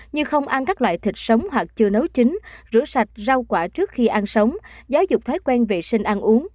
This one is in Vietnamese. như không ăn các loại thịt sống hoặc chưa nấu chín rửa sạch rau quả trước khi ăn sống giáo dục thói quen vệ sinh ăn uống